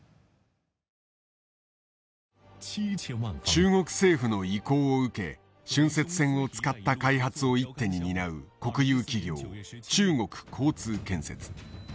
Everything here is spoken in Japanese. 中国政府の意向を受け浚渫船を使った開発を一手に担う国有企業中国交通建設。